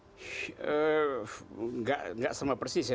tidak sama persis ya